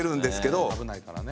危ないからね。